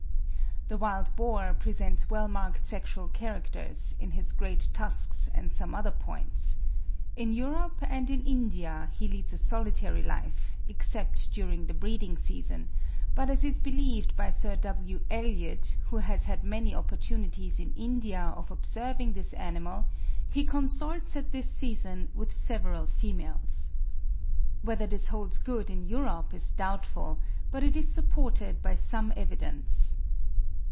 The wild boar presents well marked sexual characters, in his great tusks and some other points. In Europe and in India he leads a solitary life, except during the breeding season; but as is believed by Sir W. Elliot, who has had many opportunities in India of observing this animal, he consorts at this season with several females. Whether this holds good in Europe is doubtful, but it is supported by some evidence.